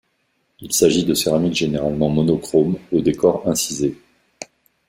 Il s'agit de céramiques généralement monochromes au décor incisé.